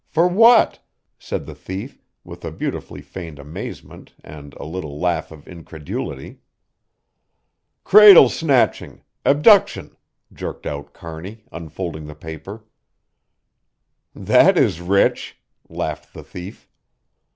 For what?" said the thief with a beautifully feigned amazement and a little laugh of incredulity. "Cradle snatching abduction," jerked out Kearney, unfolding the paper. "That is rich!" laughed the thief.